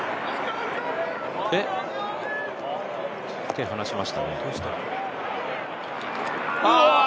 手、離しましたね。